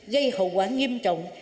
gây hậu quả nghiêm trọng